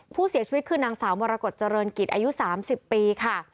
ผู้เสียชีวิตคือนางสาวมรกฏเจริญกิจอายุ๓๐ปีค่ะ